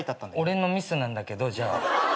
俺のミスなんだけどじゃあ。